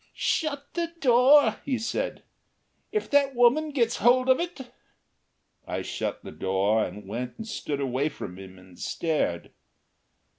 "Shut the door," he said. "If that woman gets hold of it " I shut the door, and went and stood away from him and stared.